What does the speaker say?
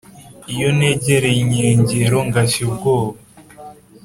Iyo negerey’ inkengero ngashy’ ubwoba,